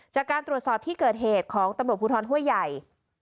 จากการตรวจสอบที่เกิดเหตุของตำรวจภูทรห้วยใหญ่